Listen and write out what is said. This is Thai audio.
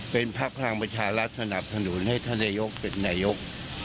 เป็นพักพลังประชารัฐสนับสนุนให้ท่านนายกเป็นนายก